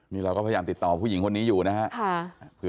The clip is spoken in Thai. นี่เราก็พยายามติดต่อผู้หญิงคนนี้อยู่นะครับ